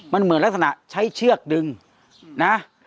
มันเหมือนลักษณะใช้เชือกดึงนะ